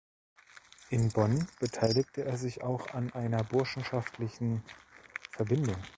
In Bonn beteiligte er sich auch an einer burschenschaftlichen Verbindung.